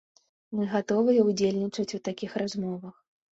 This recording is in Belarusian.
Мы гатовыя ўдзельнічаць у такіх размовах.